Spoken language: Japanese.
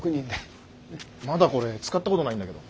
まだこれ使ったことないんだけど。